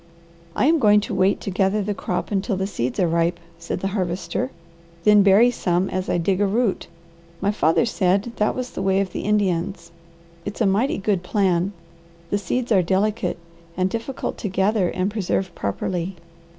"I am going to wait to gather the crop until the seeds are ripe," said the Harvester, "then bury some as I dig a root. My father said that was the way of the Indians. It's a mighty good plan. The seeds are delicate, and difficult to gather and preserve properly.